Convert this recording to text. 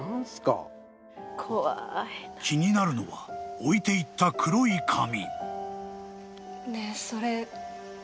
［気になるのは置いていった黒い紙］